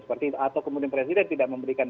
seperti itu atau kemudian presiden tidak memberikan